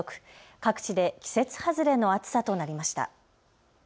各地で季節外れの暑さとなりました。